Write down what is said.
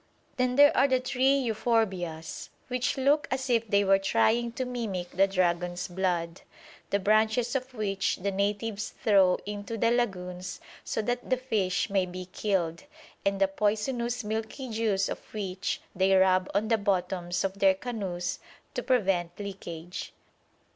Then there are the tree euphorbias, which look as if they were trying to mimic the dragon's blood, the branches of which the natives throw into the lagoons so that the fish may be killed, and the poisonous milky juice of which they rub on the bottoms of their canoes to prevent leakage.